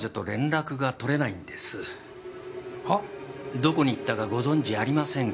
どこに行ったかご存じありませんか？